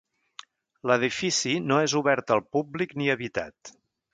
L'edifici no és obert al públic ni habitat.